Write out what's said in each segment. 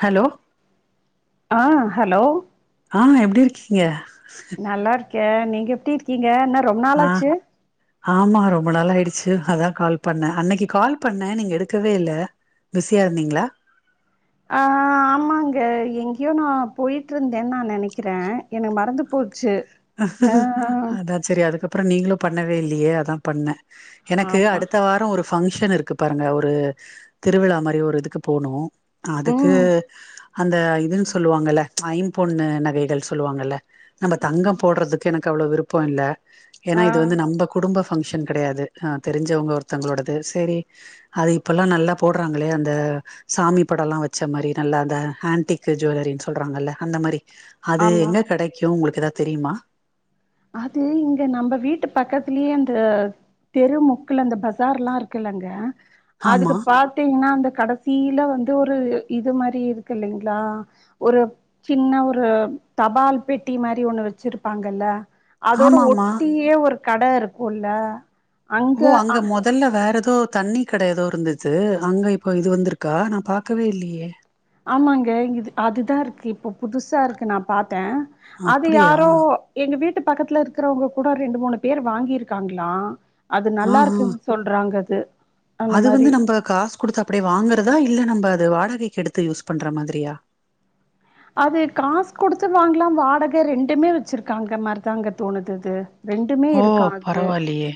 Hello ஆ hello ஆ எப்டி இருக்கீங்க நல்லா இருக்கே நீங்க எப்டி இருக்கீங்க என்ன ரொம்ப ஆ நாளாச்சி ஆமா ரொம்ப நாளா ஆயிடுச்சி அதான் கால் பண்ணே அன்னைக்கி கால் பண்ணே நீங்க எடுக்கவே இல்ல பிஸியா இருந்தீங்களா ஆ ஆமாங்க எங்கேயோ நா போய்ட்டுருந்தேன்னு நா நெனைக்கிறே எனக்கு மறந்து போச்சி அதா செரி அதுக்கப்றோ நீங்களு பண்ணவே இல்லயே அதா பண்ணே எனக்கு ஆமா அடுத்த வாரோ ஒரு ஃபங்க்ஷன் இருக்கு பாருங்க ஒரு திருவிழா மாரி ஒரு இதுக்கு போனு அதுக்கு ம் அந்த இதுன்னு சொல்லுவாங்கல்ல ஐம்பொண்ணு நகைகள் சொல்லுவாங்கல்ல நம்ம தங்கம் போடுறதுக்கு எனக்கு அவ்ளவு விருப்போ இல்ல ஏன்னா ஆ இது வந்து நம்ம குடும்ப ஃபங்க்ஷன் கிடையாது ஆ தெரிஞ்சவங்க ஒருத்தவங்களோடது சேரி அது இப்போல்லா நல்லா போடுறாங்களே அந்த சாமி படோ எல்லா வச்ச மாரி நல்லா அந்த ஆன்டிக் ஜுவலரின்னு சொல்றாங்கல்ல அந்த மாரி அது ஆமா எங்க கெடைக்கு உங்களுக்கு ஏதாது தெரியுமா அது இங்க நம்ம வீட்டு பக்கத்துலயே அந்த தெருமுக்குல அந்த பசார் எல்லா இருக்குல்லங்க அதுக்கு ஆமா பாத் தீங்கன்னா அந்த கடைசியில வந்து ஒரு இது மாரி இருக்கு இல்லீங்களா ஒரு சின்ன ஒரு தபால் பெட்டி மாரி ஒண்ணு வச்சிருப்பாங்கல்ல அதோட ஆமாமா ஒட்டியே ஒரு கடை இருக்குல்ல ஓ அங்க மொ தல்ல வேறு ஏதோ தண்ணி கடை எதோ இருந்தது அங்கே இப்போ இது வந்திருக்கா நா பாக்கவே இல்லையே ஆமாங்க இது அதுதா இருக்கு இப்ப புதுசா இருக்கு நா பாத்தே அது அப்டியா யாரோ எங்க வீட்டு பக்கத்துல இருக்கிறவங்க கூட ரெண்டு மூணு பேர் வாங்கியிருக்காங்களா அது நல்லா ஆஹா இருக்குன்னு சொல்கறாங்கது அது வந்து நம்ம காசு குடுத்து அப்டியே வாங்குறதா இல்ல நம்ம அது வாடகைக்கு எடுத்து யூஸ் பண்ற மாதிரியா அது காசு கொடுத்து வாங்கலாம் வாடகை ரெண்டுமே வச்சிருக்காங்க மாரிதாங்க தோணுதது ஓ பரவாயில்லயே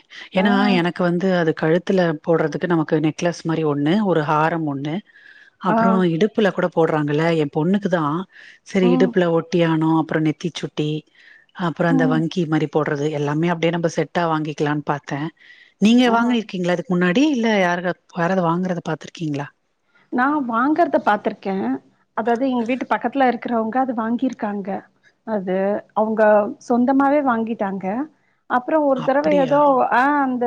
ஆ ஏன்னா எனக் கு வந்து அது கழுத்துல போடுறதுக்கு நமக்கு நெக்லஸ் மாரி ஒண்ணு ஒரு ஹாரம் ஒண்ணு ஆ அப்புறோ இடுப்புல கூட போடுறாங்கள எ பொண்ணுக்கு தா சரி ம் இடுப்புல ஒட்டியாணோ அப்புற நெத்தி சுட்டி அப்புற அந்த ம் வங்கி மாதிரி போடுறது எல்லாமே அப்டியே நம்ப செட்டா வாங்கிக்கலான்னு பாத்தே நீங்க ஆ. வாங்கி இருக்கீங்கள முன்னாடி இல்ல யார யாராவது வாங்கறத பாத்துருக்கீங்களா நா வாங்கறத பாத்திருக்கே அதாவது எங்க வீட்டு பக்கத்துல இருக்கிறவங்க அது வாங்கிருக்காங்க அது அவங்க சொந்தமாவே வாங்கிட்டாங்க அப்புறோ ஒரு தடவை அப்டியா ஏதோ ஆ அந்த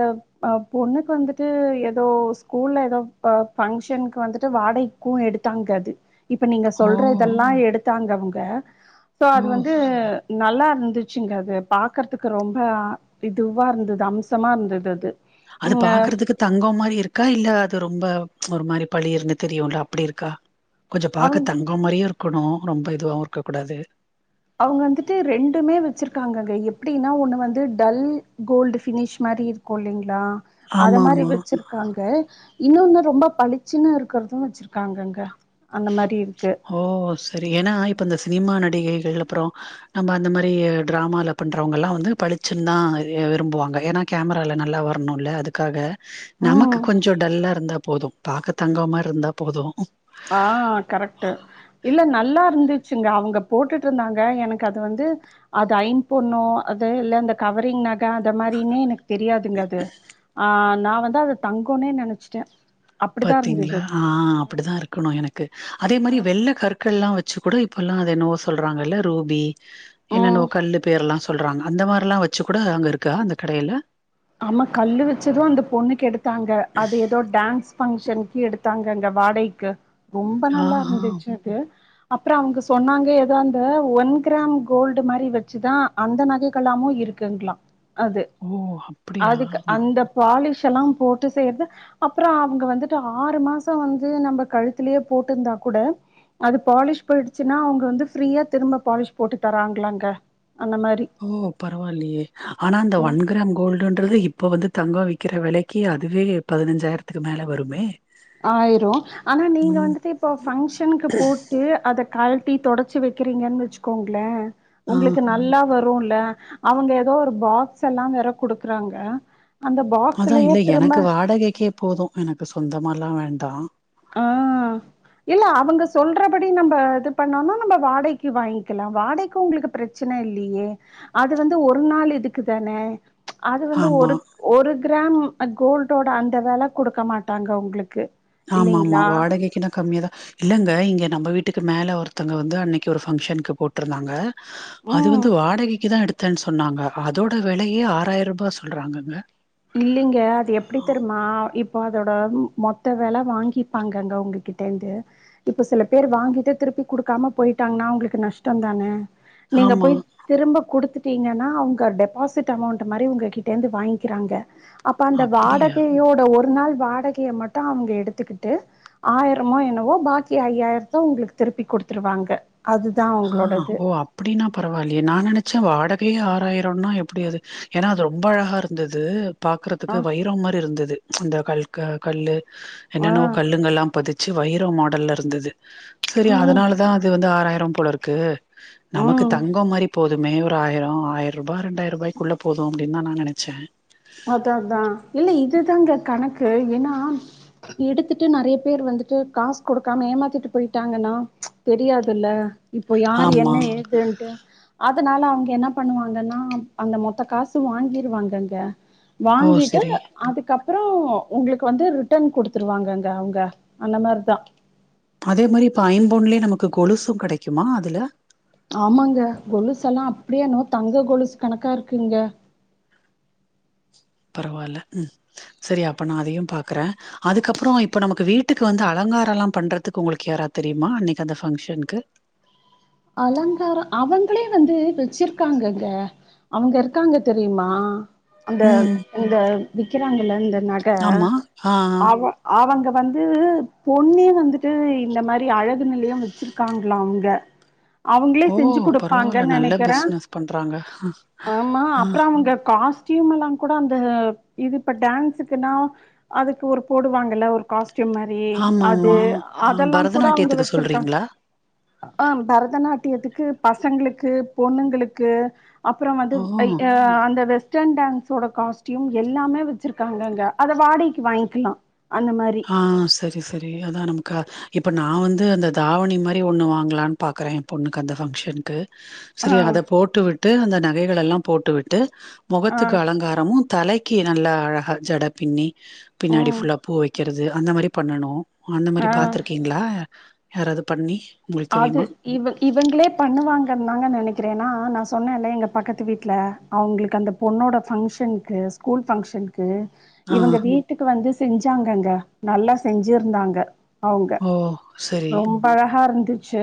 அ பொண்ணுக்கு வந்துட்டு ஏதோ ஸ்கூல்ல ஏதோ ப பங்க்ஷனு வந்துட்டு வாடகைக்கு எடுத்தாங்க அது இப்ப நீங்க ஓ சொல்ற இதெல்லா எடுத்தாங்க அவ்ங்க சோ அது ஓ வந்து சரி நல்லா இருந்துச்சுங்க அது பாக்கறதுக்கு ரொம்ப இதுவா இருந்தது அம்சமா இருந்தது அது அது ம் பாக்கறதுக்கு தங்கோ மாதிரி இருக்கா இல்ல அது ரொம்ப ஒரு மாரி பளீருன்னு தெரியுல்ல அப்டி இருக்கா கொஞ்சம் அவங்க பாக்க தங்க மாதிரியு இருக்கணு ரொம்ப இதுவாவு இருக்க கூடாது அவங்க வந்துட்டு ரெண்டுமே வச்சிருக்காங்கங்க எப்டின்னா ஒன்னு வந்து டல் கோல்டு பினிஷ் மாரி இரு கு இல்லிங்களா அத ஆமா மாரி ஆமா வச்சிருக் காங்க இன்னொன்னு ரொம்ப பளிச்சுன்னு இருக்கறதும் வச்சிருக்காங்கங்க அந்த மாரி இருக்கு ஓ சரி ஏன்னா இப்போ இந்த சினிமா நடிகைகள் அப்புறோ நம்ம அந்த மாரி டிராமால பண்றவங்க எல்லா வந்து பளிச்சுன்ன தா விரும்புவாங்க ஏன்னா கேமரால்ல நல்லா வரணுல்ல அதுக்காக நமக்கு ம். கொஞ்சோ டல்லா இருந்தா போது பாக்க தங்க மாரி இருந்தா போது ஆ கரெட்டு இல்ல நல்லா இருந்துச்சுங்க அவங்க போட்டுட்டு இருந்தாங்க எனக்கு அது வந்து அது ஐம் பொண்ணோ அது இல்ல அந்த கவரிங் நகை அந்த மாரினே எனக்கு தெரியாதுங்க அது ஆ நா வந்து அத தங்கனே நெனைச்சிட்டே பாத்தீங்களா ஆ அப்டிதா இருக்கணு எனக்கு அதே மாரி வெள்ள கற்கள் எல்லா வ ச்சு கூட இப்பெல்லா அது என்னவோ சொல்றாங்கல்ல ரூபி ம். என்னன்னோ கல்லு பேர்லா சொல்றாங்க அந்த மாரிலா வச்சு கூட அங்க இருக்கா அந்த கடைல ஆமா கல் வச்சது அந்த பொண்ணுக்கு எடுத்தாங்க அது எதோ டான்ஸ் ஃபங்க்ஷனுக்கு எடுத்தாங்க அங்க வாடகைக்கு ரொம்ப நல்லா ஆஹா! இருந்துச்சு அது அப்பறோ அவங்க சொன்னாங்க எதோ அந்த ஒன் கிராம் கோல்டு மாரி வச்சுதா அந்த நகைகளாமு இருக் க்குங்களா அது ஓ அப் அதுக்கு அந்த பாலிஷ் எல்லா போட்டு செய்யறது அப்பறோ அவங்க வந்துட்டு ஆறு மாசோ வந்து நம்ப கழுத்துலயே போட்டிருந்தா கூட அது பாலிஷ் போயிடுச்சுன்னா அவங்க வந்து ஃப்ரீயா திரும்ப பாலிஷ் போட்டு தராங்களாங்க அந்த மாரி ஓ பரவால்லியே ஆனா அந்த ஒன் கிராம் கோல்டுன்றது இப்போ வந்து தங்கொ விக்கிற வெலைக்கு அதுவே பதினஞ்சாயிரத்துக்கு மேல வருமே ஆயிரு ஆனா நீங்க ம். வந்துட்டு இப்போ ஃபங்க்ஷனுக்கு போட்டு அத கழட்டி தொடச்சு வைக்கிறீங்கன்னு வச்சுக்கோங்களே ஆ உங்களுக்கு நல்லா வருல்ல அவங்க எதோ ஒரு பாக்ஸ் எல்லா வேற குடுக்குறாங்க அந்த பாக் அதா இல்ல எனக்கு வாடகைக்கே போது எனக்கு சொந்தமால்லா வேண்டா ஆ இல்ல அவங்க சொல்றபடி நம்ப இது பண்ணோனா நம்ப வாடைக்கு வாங்கிக்கலா வாடைக்கு உங்களுக்கு பிரச் சன இல்லையே அது வந்து ஒரு நாள் இதுக்கு தானே அது வந்து ஆமா. ஒரு ஒரு கிராம் கோல்டோட அந்த வெல குடுக்க மாட்டாங்க உங்களுக்கு ஆமாமா இல்லைங்களா வாடகைக்குனா கம்மியாதா இல்லங்க இங்கே நம்ப வீட்டுக்கு மேலே ஒருத்தவங்க வந்து அன்னைக்கு ஒரு ஃபங்க்ஷனுக்கு போட்டுருந்தாங்க அது ம் வந்து வாடகைக்கு தா எடுத்தேன்னு சொன்னாங்க அதோட வெலையே ஆறாயிரூபா சொல்றாங்கங்க இல்லைங்க அது எப்டி தெருமா இப்போ அதோட மொத்த வெல வாங்கிப்பாங்கங்க உங்க கிட் டந்து இப்ப சில பேர் வாங்கிட்டு திருப்பி குடுக்காம போயிட்டாங்கன்னா அவங்களுக்கு நஷ்டந்தான நீங்க ஆமா. போய் திரும்ப குடுத்துட்டீங்கன்னா அவ்ங்க டெபாசிட் அமௌண்ட் மாரி உங்ககிட்டே இருந்து வாங் க்கிறாங்க அப்ப அந்த அப்படியா? வாடகையோட ஒரு நாள் வாடகைய மட்டு அவங்க எடுத்துக்குட்டு ஆயிரமோ என்னவோ பாக்கி ஐயாயிரத்த உங்களுக்கு திருப்பி குடுத்துருவாங்க அதுதா ஆ ஓ அப் பிடின்னா பரவால்லியே நா நெனைச்ச வாடகையே ஆறாயிரொன்னா எப்டி அது ஏனா அது ரொம்ப அழகா இருந்தது அ, பாக்குறதுக்கு வைரோம் மாரி இருந்தது அந்த கல் க கல்லு ஆ, என்னென்னவோ கல்லுங்கெல்லா பதிச் ச்சி வைரம் மாடல்ல இருந்தது சரி ம், அதனால தா அது வந்து ஆறாயிரம் போலருக்கு நமக்கு ம். தங்கோ மாரி போதுமே ஒரு ஆயிரொ ஆயிரூபா ரெண்டாயிரூபாய்க்குள்ள போது அப்டின்தா நா நெனச்ச அதா அதா இல்ல இதுதாங்க கணக்கு ஏனா எடுத்துட்டு நெறைய பேர் வந்துட்டு காசு குடுக்காம ஏமாத்திட்டு போயிட்டாங்கன்னா தெரியாதுல்ல இப்போ யாரு ஆமா என்ன ஏதுன்ட்டு அதனால அவங்க என்ன பண்ணுவாங்கன்னா அந்த மொத்த காசு வாங்கிருவாங்கங்க ஓ வாங்கிட்டு சரி அதுக்கப்புறோ உங்களுக்கு வந்து ரிட்டன் குடுத்துடுவாங்கங்க அவங்க அந்த மாரிதா அதே மாரி இப்ப ஐம்பொன்லையு நமக்கு கொலுசு கெடைக்குமா அதுல ஆமாங்க கொலுசெல்லா அப்டியே எனமோ தங்க கொலுசு கணக்கா இருக்குங்க பரவால்ல ம் சரி அப்ப நா அதையு பாக்குற அதுக்கப்பறோ இப்ப நமக்கு வீட்டுக்கு வந்து அலங்காரொல்லா பண்றதுக்கு உங்களுக்கு யாராவ்த் தெரியுமா அன்னைக்கு அந்த ஃபங்க்ஷனுக்கு அலங்கார அவங்ளே வந்து வச்சிருக்காங்கங்க அவங்க இருக்காங்க தெரியுமா அந்த ம். அங்க விக்கிறாங்கல அந்த நக ஆமா. ஆ, ஆ. அவ ஆவங்க வந்து பொண்ணே வந்துட்டு இந்த மாரி அழகு நிலையம் வச்சிருக்காங்ளா அவங்க அவங்களே ஓ! பரவால்ல. செஞ்சிக்குடுப்பாங்கன் நல்ல நெனைக்கிறே பிசினஸ் பண்றாங்க. ஆமா ஆ, அப்றோ அவங்க காசு டீமெல்லா கூட அந்த இது இப்ப டான்ஸுக்குனா அதுக்கு ஒரு போடுவாங்கல ஒரு காஸ்டியூம் மாரி அது ஆமாமா. ஆ அதெல்லா கூட அவங்க பரதநாட்டியத்துக்கு வச்சிருக்கா சொல்றீங்களா? ஆ பரதநாட்டியத்துக்கு பசங்களுக்கு பொண்ணுங்களுக்கு அப்றோ வந்து ஓ! அய் ஆ அந்த வெஸ் டர்ன் டான்ஸோட காஸ்டியூம் எல்லாமே வெச்சிருக்காங்கங்க அத வாடகைக்கு வாய்ங்க்கலா அந்த மாறி ஆ சரி சரி அதா நமக்கு இப்பொ நா வந்து அந்த தாவணி மாறி ஒண்ணு வாங்கலான் பாக்குறே ஏ பொண்ணுக்கந்த ஃபங்க்ஷனுக்கு ஆ செரி அத போட்டுவிட்டு அந்த நகைகளெல்லா போட்டு விட்டு ஆ மொகத்துக்கு அலங்காரமு தலைக்கி நல்லா அழகா ஜடப்பின்னி பின்னாடி ம் ஃபுல்லா பூ வைக்கிறது அந்த மாரி பண்ணணு ஓ அந்ந மாரி ஆ பாத்துருக்கீங்ளா யாராவது பண்ணி உங்களுக்கு ஆது தெரியுமா இவ இவங்களே பண்ணுவாங்கன் தாங்க நெனைக்கிறே ஏனா நா சொன்னேல எங்க பக்கத்து வீட்ல அவங்ளுக்கு அந்த பொண்ணோட ஃபங்க்ஷன்க்கு ஸ்கூல் ஃபங்க்ஷன் கு ஆ இவங்க வீட்டுக்கு வந்து செஞ்சாங்கங்க நல்லா செஞ்சிருந்தாங்க அவங்க ஓ சரி ரொம்பழகா இருந்துச்சு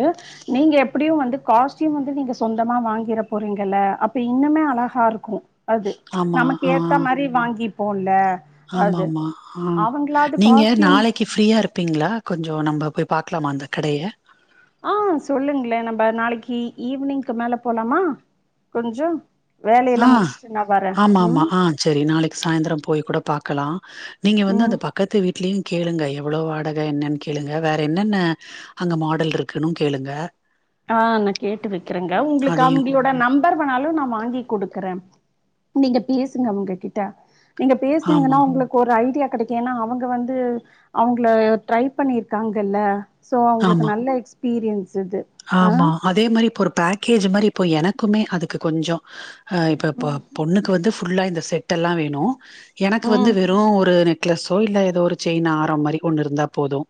நீங்க எப்டியு வந்து காஸ்டியூம் வந்து நீங்க சொந்தமா வாங்கிற போறீங்கல அப்ப இன்னுமே அழகாருக்கு அது ஆமா நமக்கு ஆ ஏத்த மாரி வாங்கிப்போல்ல அது ஆமாமா ஆ அவங்களாது நீங்க காஸ்ட்யூம் நாளைக் கி ஃப்ரீயா இருப்பீங்ளா கொஞ்சோ நம்ப போய் பாக்லாமா அந்த கடைய ஆஹ் சொல்லுங்ளே நம்ப நாளைக்கி ஈவினிங்க்கு மேல போலாமா கொஞ்சோ வேலையெல்லா முடிச்ட்டு நா வரே உம் செரி நாளைக்கு சாய்ந்தரோ போய் கூட பாக்கலா நீங்க வந்து அந்த ம் பக் கத்து வீட்லயு கேளுங்க எவ்வளோ வாடக என்னன் கேளுங்க வேற என்னென்ன அங்க மாடல் இருக்குனு கேளுங்க ஆ நா கேட்டு வக்கிறங்க உங்களுக்கு அதையு அவங்களோட் ட நம்பர் வேணாலு நா வாங்கி குடுக்குறே நீங்க பேசுங்க அவங்ககிட்ட நீங்க பேசுனீங்கனா ஆமா உங்களுக் ஒரு ஐடியா கெடைக்கு ஏனா அவங்க வந்து அவங்கள ட்ரை பண்ணிருக்காங்கல சோ அவங்களுக்கு ஆமா நல்ல எக்ஸ்பீரியன்ஸ் இது ஆ ஆமா அதே மாறி இப்ப ஒரு பேக்கேஜி மாறி இப்போ எனக்குமே அதுக்கு கொஞ்சோ ஆ இப்பப்போ ம் பொண்ணுக்கு வந்து ஃபுல்லா இந்த செட்டெல்லா வேணு எனக்கு வந்து ம் வெறு ஒரு நெக் க்லெஸோ இல்ல ஏதோ ஒரு செயின் ஆரோ மாரி ஒண்ணிருந்தா போது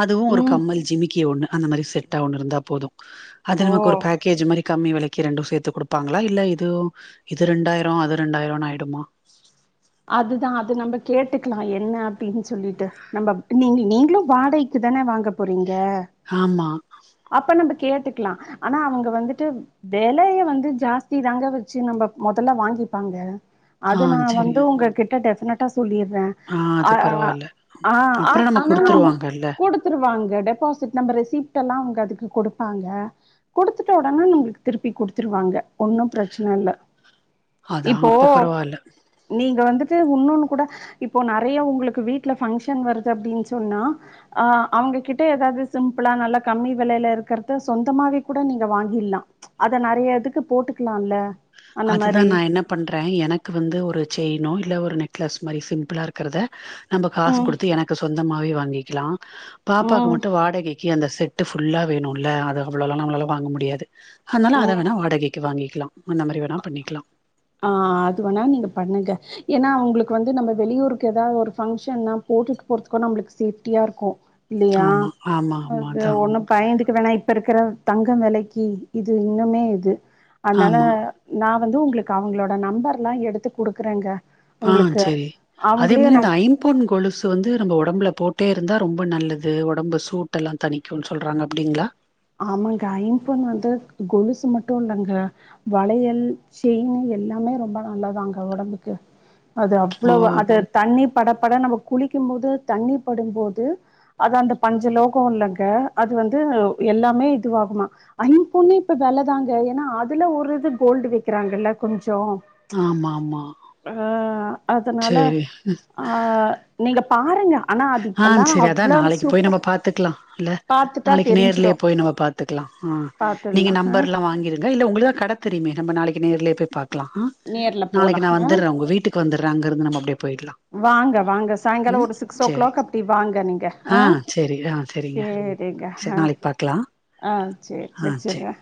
அதுவு ஒரு ம் கம்மல் ஜிமிக்கி ஒண்ணு அந்த மாறி செட்டா ஒன்னு இருந்தா போது அது ஓ நமக்கு ஒரு பேக்கேஜு மாறி கம்மி வெலைக்கி ரெண்டு சேத்து குடுப்பாங்ளா இல்ல இது இது ரெண்டாயிரோ அது ரெண்டாயிரோனு ஆயிடுமா அதுதா அது நம்ப கேட்டுக்கலா என்ன அப்டின் சொல்லிட்டு நம்பப் நீங்கி நீங்களு வாடகைக்கு தான வாங்கப் போறீங்க ஆமா அப்ப நம்ப கேட்டுக்குலா ஆனா அவங்க வந்துட்டு வெலைய வந்து ஜாஸ்தி தாங்க வச்சி நம்ப மொதல வாங்கிப்பாங்க அத ஆ நா செரி வந்து உங்க கிட்ட டெஃபினட்டா சொல்லிட்றே ஆ அ அது பரவால்ல ஆ ஆ அப்புறோ நம்ம ஆனா அந்த குடுத்துருவாங்கல்ல குடுத் துருவாங்க டெபாசிட் நம்ம ரெசிப்ட்லா அவங்க அதுக்கு கொடுப்பாங்க குடுத்துட்டு உடன நம்முளுக்கு திருப்பி குடுத்துருவாங்க ஒன்னு பிரச்சன இல்ல அதா இப்போ அப்ப பரவாயில்ல நீங்க வந்துட்டு உன்னொன்னு கூட இப்போ நெறைய உங்குளுக்கு வீட்ல ஃப்ங்க்ஷன் வருது அப்டின் சொன்னா அ அவங்ககிட்ட எதாவது சிம்பிளா நல்லா கம்மி விலையில இருக்கறத சொந்தமாவே கூட நீங்க வாங்கிலா அத நெறைய இதுக்கு போட்டுக்கலால்ல அதுதா நா என்னப் பண்றே எனக்கு வந்து ஒரு செயினோ இல்ல ஒரு நெக்லஸ் மாறி சிம்பிளா இருக்கறத நம்ப காசு ம் குடுத்து எனக்கு சொந்தமாவே வாங்கிக்கலா பாப்பாக்கு ம் மட்டும் வாடகை க்கி அந்த செட்டு ஃபுல்லா வேணுல்ல அத அவ்ளோல்லா நம்மளால வாங்க முடியாது அதனால அத ம் வேணா வாடகைக்கு வாங்கிக்கலா அந்த மாரி வேணா பண்ணிக்கலா ஆ அது வேணா நீங்க பண்ணுங்க ஏன்னா அவங்களுக்கு வந்து நம்ம வெளியூருக்கு எதாவது ஒரு பங்க்ஷன் போட்டுட்டு போறதுக்கு நம்மளுக்கு சேஃப்டியா இருக்கு இல்லையா ஆமா ஆமா ஆமா அது அதான் ஒண்ணுப் பயந்துக்கு வேணா இப்ப இருக்கிற தங்க வெலைக்கி இது இன்னுமே இது அனால ஆமா நா வந்து உங்குளுக்கு அவங்களோட நம்பர்ல்லா எடுத்து குடுக்குறேங்க ஆ உங்களுக்கு செரி அதே அவங்களே மாறி நா அந்த ஐம் பொன் கொலுசு வந்து நம்ம உடம்புல போட்டே இருந்தா ரொம்ப நல்லது உடம்பு சூட்டெல்லா தனிக்கும்ன் சொல்றாங்க அப்டிங்ளா ஆமாங்க ஐம்பொன் வந்து கொலுசு மட்டு இல்லங்க வளையல் செயின் எல்லாமே ரொம்ப நல்லதாங்க உடம்புக்கு அது ஓ அவ்ளோவ அது தண்ணி பட பட நம்ம குளிக்கும் போது தண்ணி படும்போது அது அந்த பஞ்ச லோகம் இல்லங்க அது வந்து எல்லாமே இதுவாகுமா ஐம் பொண்ணே இப்ப இப்ப வெலதாங்க ஏன்னா அதுல ஒரு இது கோல்டு வெக்கிறாங்கல்ல கொஞ்சோ ஆமா ஆமா ஆ அதனால சரி ஆ நீங்க பாருங்க ஆனா அது ஆ இப்பல்லா செரி அதா அவ்ளோ நாளைக்கு போய் சூப்பர் நம்ம பாத்துக்கலா இல்ல பாத்துட்டா நாளைக்கு நேர்லே தெரிஞ்சிரு போய் நம்ம பாத்துக்லா ஆ நீங்க பாத்துடலா நம்பர்ல்லா வாங்கிரு இங்க இல்ல உங்குளுக்கு தா கடைத் தெரியுமே நம்ப நாளைக்கு நேர்லே போய் பாக்கலா நேர்ல போலா நாளைக்கு நா ஆ வந்துற உங்க வீட்டுக்கு வந்துற அங்க இருந்து நம்ம அப்டியே போயிட்லா வாங்க வாங்க சாயங்காலம் ஒரு சிக்ஸ் ஓ கிளாக் அப்டி வாங்க நீங்க ஆ சரி ஆ சரிங்க செரிக்கா சரி அ நாளைக்கு பாக்கலா ஆ செரி ஆ சரி வெச்சுறே